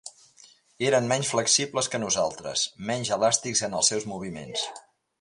Eren menys flexibles que nosaltres, menys elàstics en els seus moviments.